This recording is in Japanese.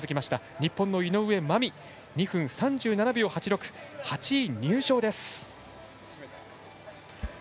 日本の井上舞美２分３７秒８６で８位入賞です。